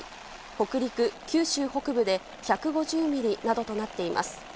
北陸、九州北部で１５０ミリなどとなっています。